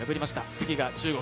次が中国。